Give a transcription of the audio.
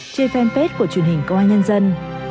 trên fanpage của truyền hình công an nhân dân